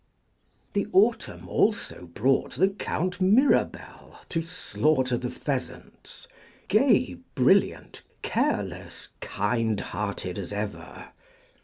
The autumn also brought the Count Mirabel to slaughter the pheasants, gay, brilliant, careless, kind hearted as ever.